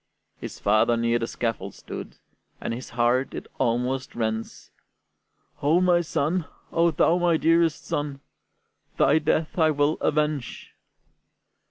His father near the scaffold stood, And his heart, it almost rends: "O son, O thou my dearest son, Thy death I will avenge!"